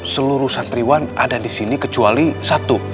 seluruh santriwan ada disini kecuali satu